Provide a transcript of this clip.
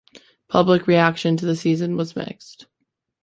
Public reaction to the season was mixed.